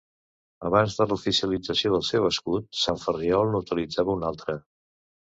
Abans de l'oficialització del seu escut, Sant Ferriol n'utilitzava un altre.